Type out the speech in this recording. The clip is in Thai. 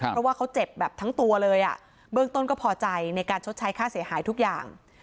เพราะว่าเขาเจ็บแบบทั้งตัวเลยอ่ะเบื้องต้นก็พอใจในการชดใช้ค่าเสียหายทุกอย่าง